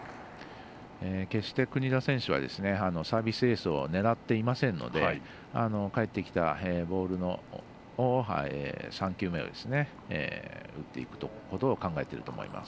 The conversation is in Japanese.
決して国枝選手はサービスエースを狙っていませんので返ってきたボールの３球目を打っていくということを考えていると思います。